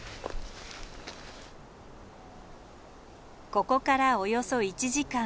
ここからおよそ１時間。